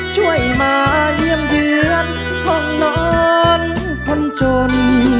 ช่วยมาเยี่ยมเยือนห้องนอนคนจน